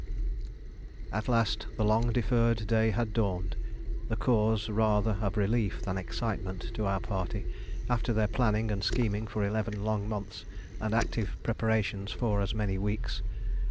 At last the long deferred day had dawned the cause rather of relief than excitement to our party, after their planning and scheming for eleven long months and active preparations for as many weeks.